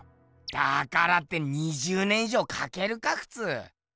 だからって２０年い上かけるかふつう！